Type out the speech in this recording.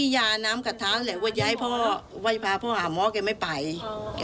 อย่าย้าย้ายให้ยาอะไรเพิ่มมั้ยคะ